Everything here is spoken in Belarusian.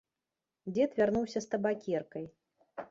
Дзед вярнуўся з табакеркай.